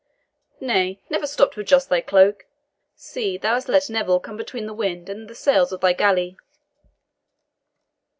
Nay, never stop to adjust thy cloak. See, thou hast let Neville come between the wind and the sails of thy galley."